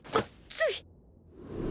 つい！